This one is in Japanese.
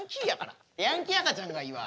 ヤンキー赤ちゃんがいいわ。